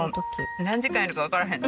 何時間いるかわからへんね。